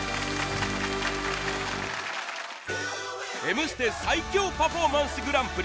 『Ｍステ』最強パフォーマンスグランプリ